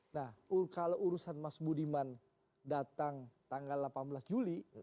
nah kalau urusan mas budiman datang tanggal delapan belas juli